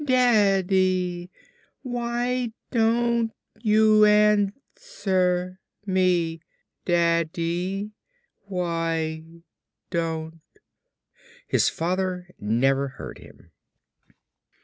"Dad dy why don't you an swer me Da ddy why don't " His father never heard him.